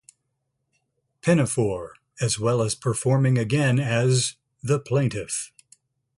Pinafore, as well as performing again as The Plaintiff.